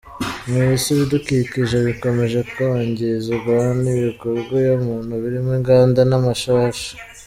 Mu isi ibidukikije bikomeje kwangizwa n’ ibikorwa ya muntu birimo inganda n’ amashashi.